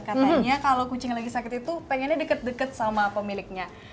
katanya kalau kucing lagi sakit itu pengennya deket deket sama pemiliknya